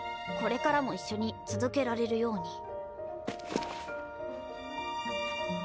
これからも一緒に続けられるように。